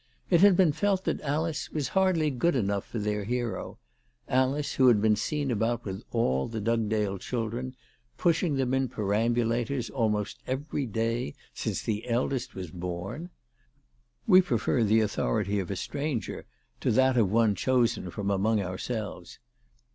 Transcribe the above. It had been felt that Alice was hardly good enough for their hero, Alice who had been seen about with all the Dugdale children, pushing them in perambulators almost every day since the eldest was born ! We prefer the authority of a stranger to that of one chosen from among ourselves.